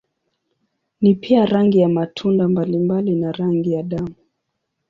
Ni pia rangi ya matunda mbalimbali na rangi ya damu.